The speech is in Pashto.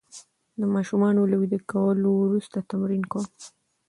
د ماشومانو له ویده کولو وروسته تمرین کوم.